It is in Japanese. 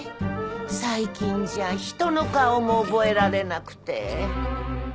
最近じゃ人の顔も覚えられなくて。